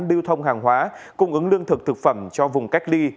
lưu thông hàng hóa cung ứng lương thực thực phẩm cho vùng cách ly